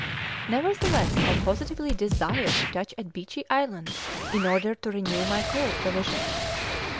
Nevertheless I positively desire to touch at Beechey Island in order to renew my coal provision."